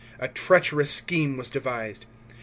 A treacherous scheme was devised.